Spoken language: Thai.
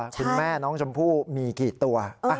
คุณแม่น้องชมพู่มีกี่ตัว